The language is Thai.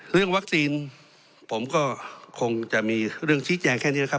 เรื่องวัคซีนผมก็คงจะมีเรื่องชี้แจงแค่นี้นะครับ